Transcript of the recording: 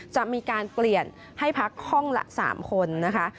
จะมีการเปลี่ยนให้พักห้องละ๓คนนะคะ